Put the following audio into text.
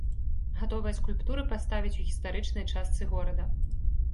Гатовыя скульптуры паставяць у гістарычнай частцы горада.